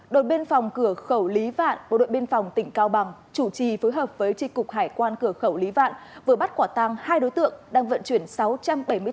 đội biên phòng cửa khẩu lý vạn một đội biên phòng tỉnh cao bằng chủ trì phối hợp với tri cục hải quan cửa khẩu lý vạn vừa bắt quả tăng hai đối tượng đang vận chuyển sáu trăm bảy mươi tám chiếc khẩu trang nhập lậu từ trung quốc